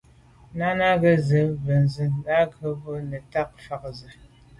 Náná à’ghə̀ zí’jú mbə́zə̄ á gə̄ bút búù nə̀táà fà’ zə̀ á Rə́ə̀.